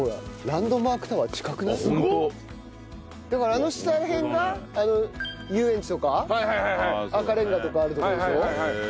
だからあの下ら辺が遊園地とか赤レンガとかあるとこでしょ。